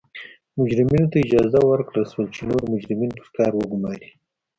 مجرمینو ته اجازه ورکړل شوه چې نور مجرمین پر کار وګوماري.